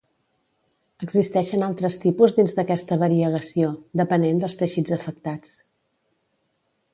Existeixen altres tipus dins d'aquesta variegació, depenent dels teixits afectats.